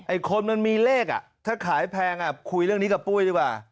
คนมันมีเลขอ่ะถ้าขายแพงคุยเรื่องนี้กับปุ้ยดีกว่า